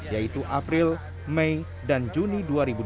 yaitu april mei dan juni dua ribu dua puluh